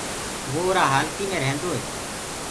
وو اُرآ هآلتي مي ريهندوئي